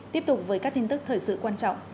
tiếp tục với các tin tức thời sự quan trọng